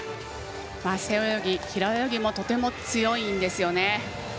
背泳ぎ、平泳ぎもとても強いんですよね。